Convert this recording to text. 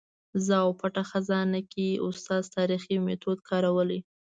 زه او پټه خزانه کې استاد تاریخي میتود کارولی.